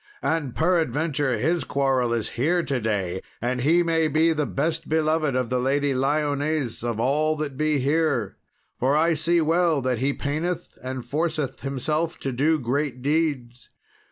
And peradventure his quarrel is here to day, and he may be the best beloved of the Lady Lyones of all that be here; for I see well he paineth and forceth himself to do great deeds.